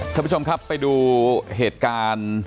ท่านผู้ชมครับไปดูเหตุการณ์